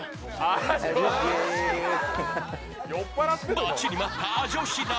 待ちに待ったアジョシ鍋